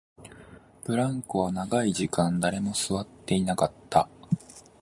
ブランコは長い時間、誰も座っていなかった